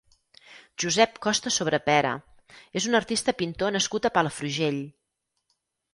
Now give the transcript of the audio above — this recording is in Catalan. Josep Costa Sobrepera és un artista pintor nascut a Palafrugell.